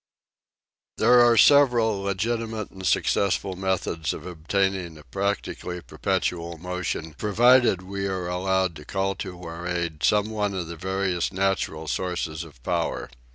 38 THE SEVEN FOLLIES OF SCIENCE There are several legitimate and successful methods of obtaining a practically perpetual motion, provided we are allowed to call to our aid some one of the various natural sources of power.